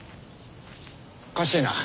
おかしいな。